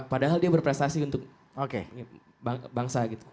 padahal dia berprestasi untuk bangsa gitu